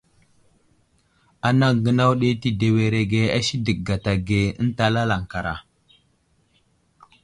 Anaŋ gənaw ɗi tədewerege a sədek gata ge ənta lalaŋkara.